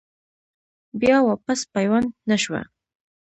بيا واپس پيوند نۀ شوه ۔